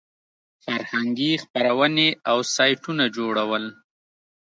فرهنګي خپرونې او سایټونه جوړول.